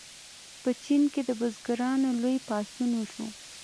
په چین کې د بزګرانو لوی پاڅون وشو.